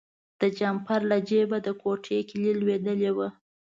د جمپر له جیبه د کوټې کیلي لویدلې وه.